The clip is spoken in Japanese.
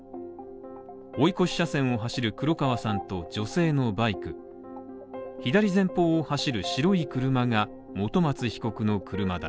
追い越し車線を走る黒川さんと女性のバイク左前方を走る白い車が本松被告の車だ。